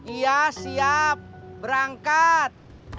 iya siap berangkat